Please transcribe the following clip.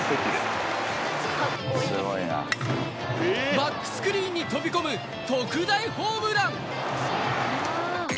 バックスクリーンに飛び込む特大ホームラン！